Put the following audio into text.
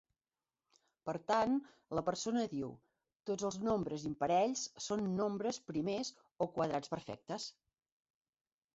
Per tant, la persona diu, tots els nombres imparells són nombres primers o quadrats perfectes.